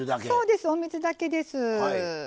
そうですお水だけです。